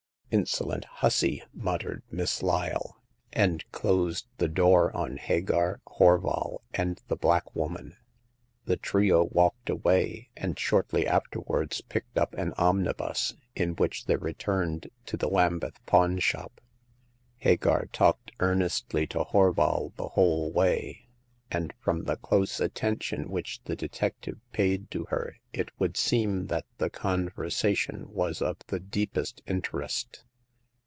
" Insolent hussy !" muttered Miss Lyle, and closed the door on Hagar, Horval and the black woman. The trio walked away, and shortly afterwards picked up an omnibus, in which they returned to the Lambeth pawn shop. Hagar talked ear nestly to Horval the whole way ; and from the close attention which the detective paid to her it would seem that the conversation was of the deepest interest.